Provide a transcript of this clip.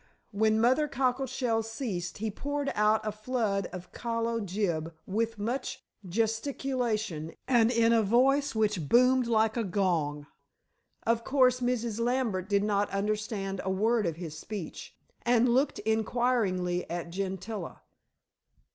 When Mother Cockleshell ceased he poured out a flood of the kalo jib with much gesticulation, and in a voice which boomed like a gong. Of course, Mrs. Lambert did not understand a word of his speech, and looked inquiringly at Gentilla.